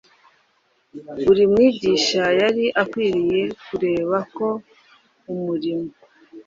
Buri mwigisha yari akwiriye kureba ko umurimo